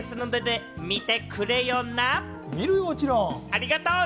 ありがとう。